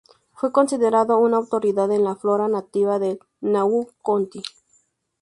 Fue considerado una autoridad en la flora nativa del Maui County.